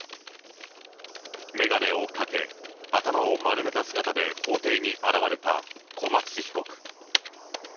眼鏡をかけ、頭を丸めた姿で法廷に現れた小松被告。